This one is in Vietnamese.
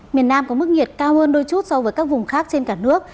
miền nam có mức nhiệt cao hơn đôi chút so với các vùng khác trên cả nước